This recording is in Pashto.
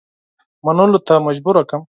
منلو ته مجبور کړم.